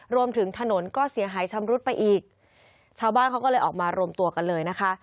รวมถึงถนนก็เสียหายชำรุดไปอีกชาวบ้านเขาก็เลยออกมารวมตัวกันเลยนะคะ